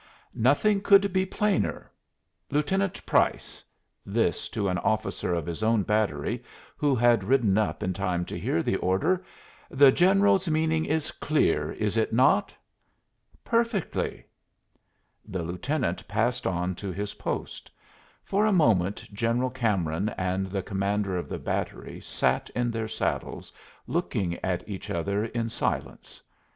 "Nothing could be plainer. Lieutenant Price," this to an officer of his own battery, who had ridden up in time to hear the order "the general's meaning is clear, is it not?" "Perfectly." The lieutenant passed on to his post. For a moment General Cameron and the commander of the battery sat in their saddles, looking at each other in silence.